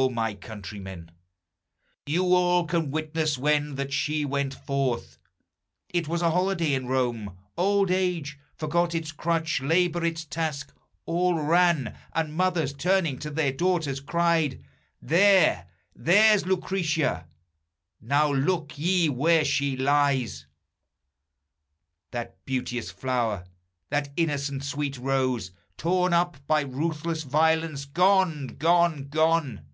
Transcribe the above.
O my countrymen! You all can witness when that she went forth It was a holiday in Rome; old age Forgot its crutch, labor its task, all ran, And mothers, turning to their daughters, cried, "There, there's Lucretia!" Now look ye where she lies! That beauteous flower, that innocent sweet rose, Torn up by ruthless violence, gone! gone! gone!